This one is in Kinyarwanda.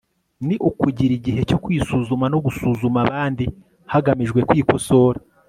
ni ukugira igihe cyo kwisuzuma no gusuzuma abandi hagamijwe kwikosora